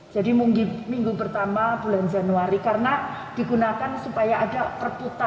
jadi minggu pertama bulan januari karena digunakan supaya ada perputaran